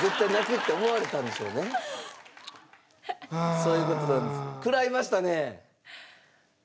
そういう事なんです。